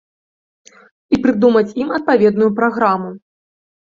І прыдумаць ім адпаведную праграму.